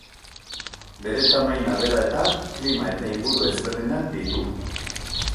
Bere tamaina dela eta klima eta inguru ezberdinak ditu.